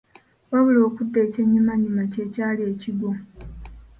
Wabula okudd ekyennyumannyuma kye kyali ekigwo.